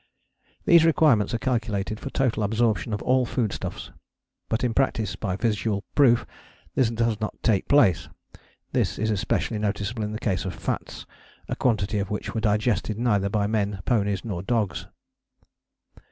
These requirements are calculated for total absorption of all food stuffs: but in practice, by visual proof, this does not take place: this is especially noticeable in the case of fats, a quantity of which were digested neither by men, ponies, nor dogs.